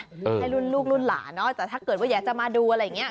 ให้รุ่นลูกรุ่นหลานเนอะแต่ถ้าเกิดว่าอยากจะมาดูอะไรอย่างเงี้